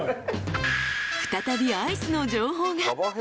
［再びアイスの情報が］